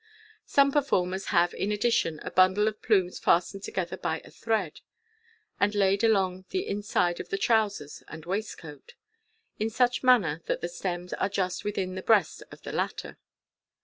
Some performers have in addition a bundle of plumes fastened together by a thread, and laid along the inside of the trousers and waistcoat, in such manner that the stems are just within the breast of the latter.